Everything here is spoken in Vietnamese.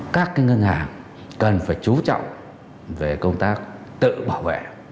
các ngân hàng cần phải chú trọng về công tác tự bảo vệ